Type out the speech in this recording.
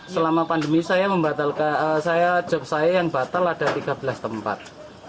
selama pandemi saya job saya yang batal ada tiga belas tempat